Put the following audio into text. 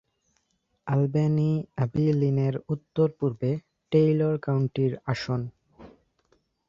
আলবেনি অ্যাবিলিনের উত্তর-পূর্বে, Taylor কাউন্টির আসন।